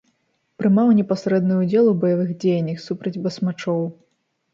Прымаў непасрэдны ўдзел у баявых дзеяннях супраць басмачоў.